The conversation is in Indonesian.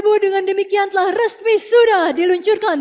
konsistensi inovasi dan sinergi kebijakan